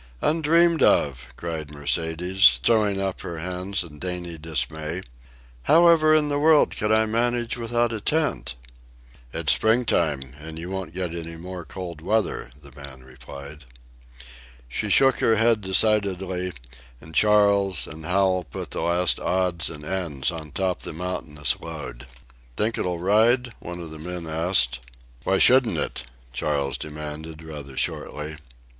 "Undreamed of!" cried Mercedes, throwing up her hands in dainty dismay. "However in the world could I manage without a tent?" "It's springtime, and you won't get any more cold weather," the man replied. She shook her head decidedly, and Charles and Hal put the last odds and ends on top the mountainous load. "Think it'll ride?" one of the men asked. "Why shouldn't it?" Charles demanded rather shortly.